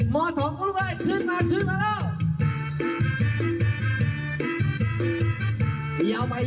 ม๒คุณผู้ชมไว้ขึ้นมาขึ้นมาแล้ว